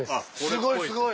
すごいすごい。